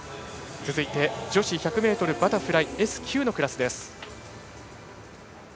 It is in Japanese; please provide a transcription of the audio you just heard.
続いて女子１００ｍバタフライＳ９のクラス。